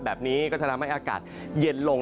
แบบนี้ก็จะทำให้อากาศเย็นลง